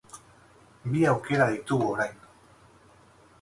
Bi aukera ditugu orain.